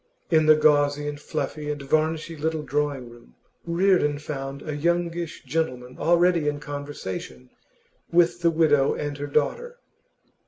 In the gauzy and fluffy and varnishy little drawing room Reardon found a youngish gentleman already in conversation with the widow and her daughter.